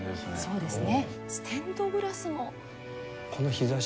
そうです。